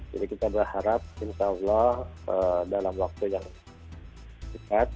jadi kita berharap insya allah dalam waktu yang dekat